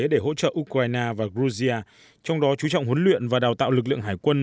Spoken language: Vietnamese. để hỗ trợ ukraine và georgia trong đó chú trọng huấn luyện và đào tạo lực lượng hải quân